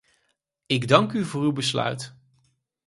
Ik dank u voor uw besluit!